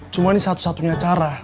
cuma ini satu satunya cara